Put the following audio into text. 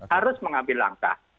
harus mengambil langkah